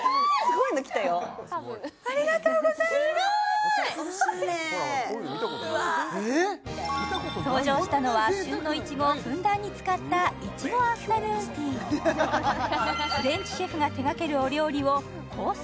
ありがとうございますおしゃれうわ登場したのは旬のいちごをふんだんに使ったいちごアフタヌーンティーフレンチシェフが手がけるお料理をコース